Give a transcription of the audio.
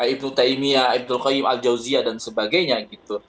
ibnu taimiyah ibnu qayyim al jawziyah dan sebagainya gitu